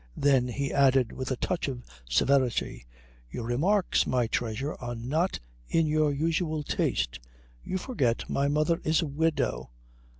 Then he added with a touch of severity, "Your remarks, my treasure, are not in your usual taste. You forget my mother is a widow."